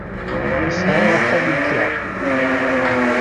Nesɛa axxam i lekra.